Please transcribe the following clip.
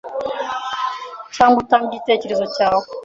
cyangwa utange igitekerezo cyawe